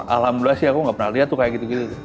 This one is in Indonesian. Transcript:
alhamdulillah sih aku gak pernah lihat tuh kayak gitu gitu